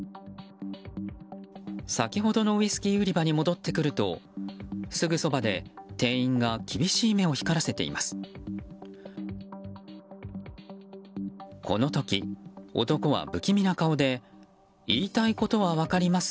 先ほどのウイスキー売り場に戻ってくるとすぐそばで店員が厳しい目を光らせています。